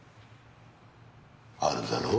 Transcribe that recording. あるだろ？